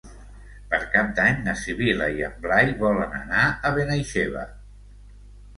Per Cap d'Any na Sibil·la i en Blai volen anar a Benaixeve.